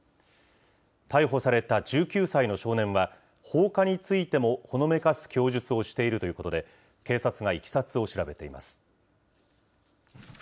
逮捕された１９歳の少年は、放火についてもほのめかす供述をしているということで、警察がいきさつを調べています。